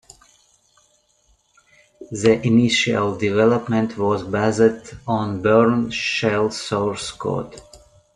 The initial development was based on Bourne shell source code.